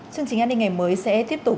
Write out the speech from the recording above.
chương trình an ninh ngày mới sẽ tiếp tục